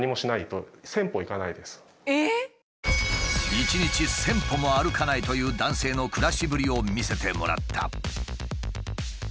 １日１，０００歩も歩かないという男性の暮らしぶりを見せてもらった。